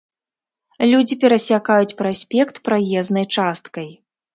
Людзі перасякаюць праспект праезнай часткай.